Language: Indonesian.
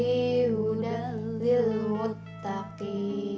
ibu dan dilutaki